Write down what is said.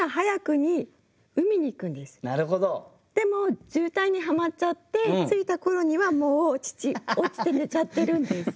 でも渋滞にはまっちゃって着いた頃にはもう父落ちて寝ちゃってるんです。